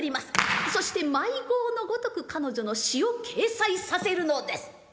そして毎号のごとく彼女の詩を掲載させるのです。